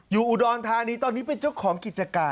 อยู่อุดรธานีตอนนี้เป็นเจ้าของกิจการ